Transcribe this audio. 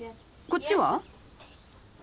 こっちは？